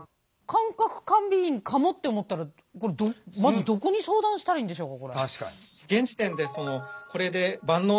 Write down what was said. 感覚過敏かもって思ったらまずどこに相談したらいいんでしょうか？